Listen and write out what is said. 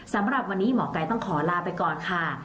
สำหรับวันนี้หมอกัยต้องขอลาไปก่อนค่ะ